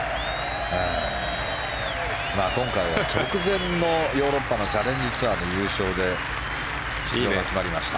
今回は直前のヨーロッパのチャレンジツアーの優勝で出場が決まりました。